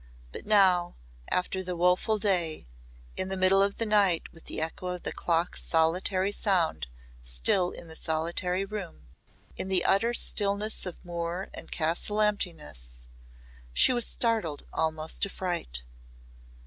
But now after the woeful day in the middle of the night with the echo of the clock's solitary sound still in the solitary room in the utter stillness of moor and castle emptiness she was startled almost to fright.